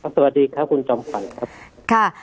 สวัสดีครับคุณจอมฝันครับ